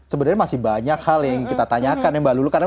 sebenarnya masih banyak hal yang kita tanyakan mbak lulu